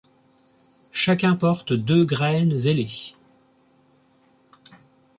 Chacun porte deux graines ailées.